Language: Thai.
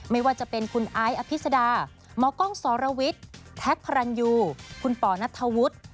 ไม่ว่าจะเป็นคุณไอซ์อภิษดาหมอกล้องสรวิทย์แท็กพระรันยูคุณป่อนัทธวุฒิ